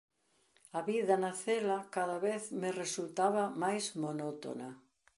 A vida na cela cada vez me resultaba máis monótona.